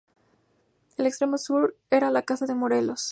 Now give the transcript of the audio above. El extremo sur era la Casa de Morelos.